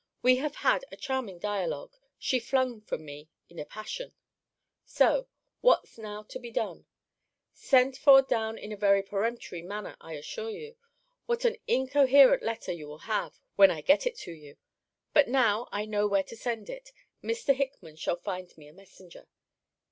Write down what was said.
We have had a charming dialogue She flung from me in a passion So What's now to be done? Sent for down in a very peremptory manner, I assure you. What an incoherent letter will you have, when I get it to you! But now I know where to send it, Mr. Hickman shall find me a messenger.